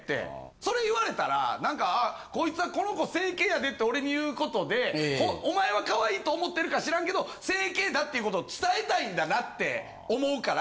それ言われたら何かこいつはこの子整形やでって俺に言う事でお前は可愛いと思ってるか知らんけど整形だっていう事を伝えたいんだなって思うから。